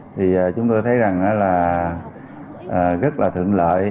thì chúng tôi thấy rằng là rất là thượng lợi